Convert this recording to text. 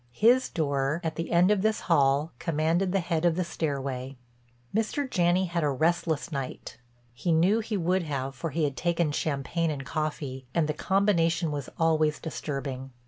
His door, at the end of this hall, commanded the head of the stairway. Mr. Janney had a restless night; he knew he would have for he had taken champagne and coffee and the combination was always disturbing.